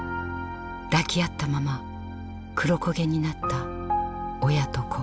抱き合ったまま黒焦げになった親と子。